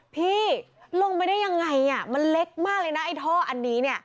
พี่ลงไปได้ยังไงมันเล็กมากเลยนะไอ้ท่ออันนี้เนี่ย